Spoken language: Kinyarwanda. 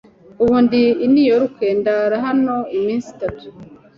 Ubu ndi i New York. Ndara hano iminsi itatu.